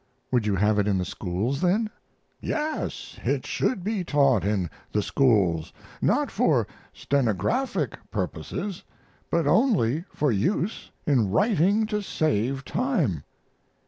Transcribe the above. "Would you have it in the schools, then?" "Yes, it should be taught in the schools, not for stenographic purposes, but only for use in writing to save time."